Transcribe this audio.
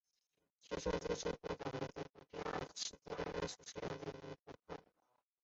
蟋蟀式自走炮为德国在第二次世界大战时所使用的一款自走炮。